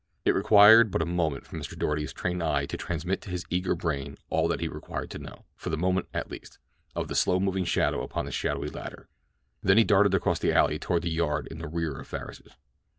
It required but a moment for Mr. Doarty's trained eye to transmit to his eager brain all that he required to know, for the moment at least, of the slow moving shadow upon the shadowy ladder—then he darted across the alley toward the yard in the rear of Farris's.